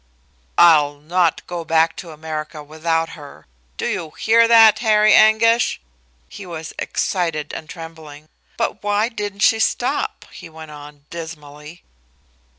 "I'll not go back to America without her. Do you hear that, Harry Anguish?" He was excited and trembling. "But why didn't she stop?" he went on, dismally.